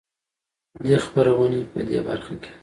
دې خپرونې په د برخه کې